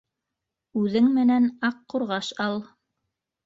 Үҙең менән аҡ ҡурғаш ал.